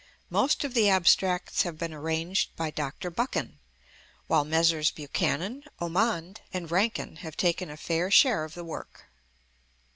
Most of the abstracts have been arranged by Dr. Buchan; while Messrs. Buchanan, Omond, and Rankine have taken a fair share of the work.